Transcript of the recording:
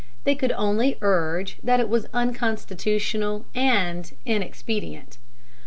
They could only urge that it was unconstitutional and inexpedient.